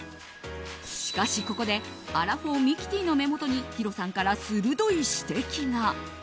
しかし、ここでアラフォーミキティの目元にヒロさんから鋭い指摘が。